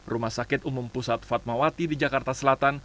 rumah sakit umum pusat fatmawati di jakarta selatan